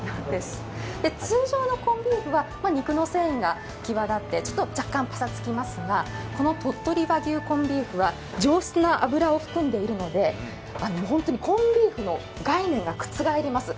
通常のコンビーフは肉の繊維が際立って若干パサつきますが、この鳥取和牛コンビーフは上質な脂を含んでいるので本当にコンビーフの概念が覆ります。